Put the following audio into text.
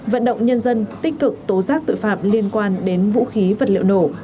vận động nhân dân tích cực tố giác tội phạm liên quan đến vũ khí vật liệu nổ